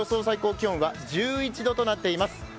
最高気温が１１度となっています。